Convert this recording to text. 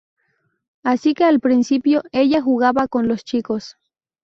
Así que al principio, ella jugaba con los chicos.